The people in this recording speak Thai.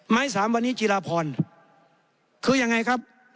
สามวันนี้จีราพรคือยังไงครับ